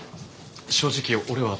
正直俺は。